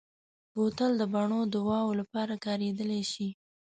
بوتل د بڼو دواوو لپاره کارېدلی شي.